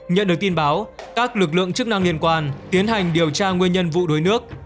nhận được tin báo các lực lượng chức năng liên quan tiến hành điều tra nguyên nhân vụ đuối nước